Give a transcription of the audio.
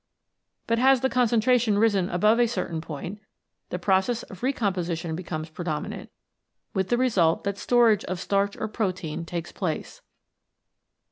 But has the concentration risen above a certain point, the process of recomposition becomes predominant, with the result that storage of starch or protein takes place.